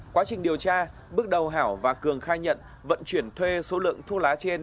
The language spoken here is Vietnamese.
quá trình điều tra bước đầu hảo và cường khai nhận vận chuyển thuê số lượng thuốc lá trên